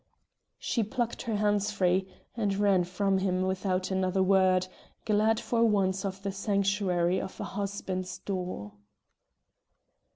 She plucked her hands free, and ran from him without another word, glad for once of the sanctuary of a husband's door.